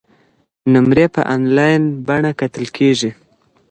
نمرې په انلاین بڼه کتل کیږي.